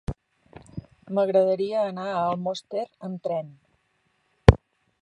M'agradaria anar a Almoster amb tren.